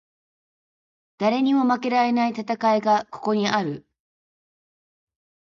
誰にも負けられない戦いがここにある